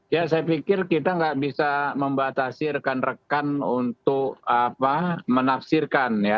ya saya pikir kita nggak bisa membatasi rekan rekan untuk menafsirkan ya